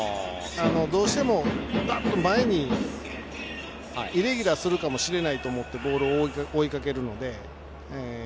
どうしても前にイレギュラーするかもしれないと思ってボールを追いかけるので。